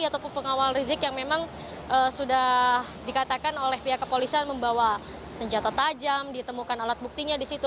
ataupun pengawal rizik yang memang sudah dikatakan oleh pihak kepolisian membawa senjata tajam ditemukan alat buktinya di situ